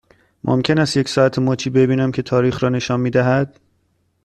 ممکن است یک ساعت مچی ببینم که تاریخ را نشان می دهد؟